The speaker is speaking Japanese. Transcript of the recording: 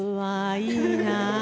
いいな！